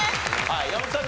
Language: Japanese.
山本さん